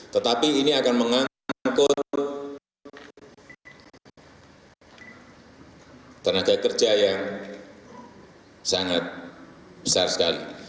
tetapi ini akan mengangkut tenaga kerja yang sangat besar sekali